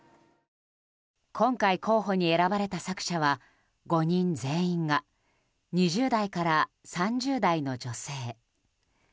今回候補に選ばれた作者は５人全員が２０代から３０代の女性。